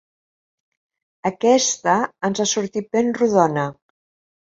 Aquesta ens ha sortit ben rodona.